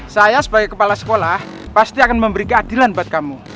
saya sebagai kepala sekolah pasti akan memberi keadilan buat kamu